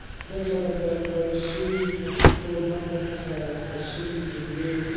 دلته د ورکړل شوي پښتو متن څخه را ایستل شوي جملې دي: